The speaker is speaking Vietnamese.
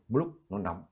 mỗi lúc nó nắm